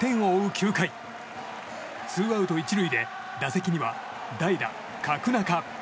９回ツーアウト１塁で打席には代打、角中。